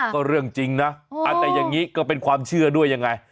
ก็เรื่องจริงนะแต่อย่างนี้ก็เป็นความเชื่อด้วยยังไง